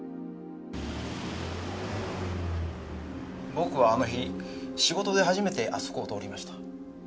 僕はあの日仕事で初めてあそこを通りました。